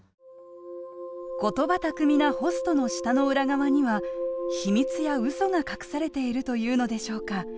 言葉巧みなホストの舌の裏側には秘密やうそが隠されているというのでしょうか。